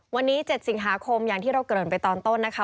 วันนี้๗สิงหาคมอย่างที่เราเกริ่นไปตอนต้นนะคะ